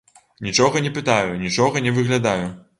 Нічога не пытаю, нічога не выглядаю.